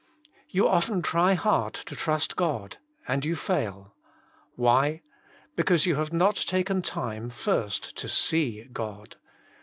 You often try hard to trust God, and you fail. Why? Because you have not taken time first to see God.